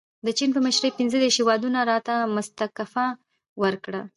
د چین په مشرۍ پنځه دېرش هیوادونو رایه مستنکفه ورکړه.